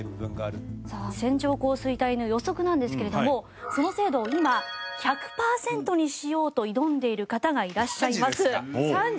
さあ線状降水帯の予測なんですけれどもその精度を今１００パーセントにしようと挑んでいる方がいらっしゃいます。